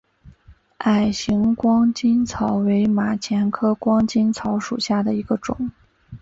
矮形光巾草为马钱科光巾草属下的一个种。